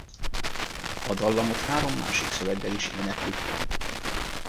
A dallamot három másik szöveggel is éneklik.